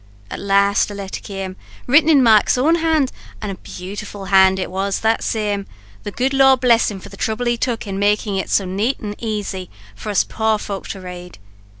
"At last a letther came, written in Mike's own hand; and a beautiful hand it was that same, the good God bless him for the throuble he took in makin' it so nate an' aisy for us poor folk to rade.